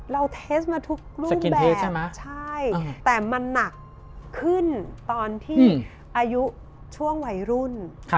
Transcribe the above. เทสมาทุกรูปแบบใช่แต่มันหนักขึ้นตอนที่อายุช่วงวัยรุ่น